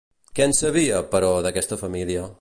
Què en sabia, però, d'aquesta família?